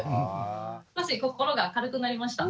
少し心が軽くなりました。